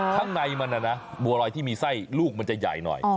ข้างในมันนะบัวรอยที่มีไส้ลูกมันจะใหญ่หน่อย